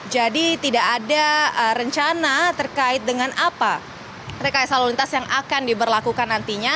jadi tidak ada rencana terkait dengan apa rekaya salur lintas yang akan diberlakukan nantinya